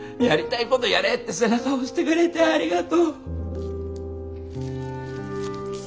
やりたいことやれって背中押してくれてありがとう。